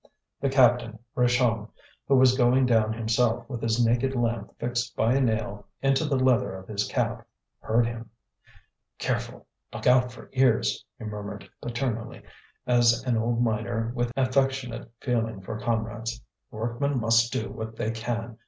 The captain, Richomme, who was going down himself, with his naked lamp fixed by a nail into the leather of his cap, heard him. "Careful! Look out for ears," he murmured paternally, as an old miner with a affectionate feeling for comrades. "Workmen must do what they can.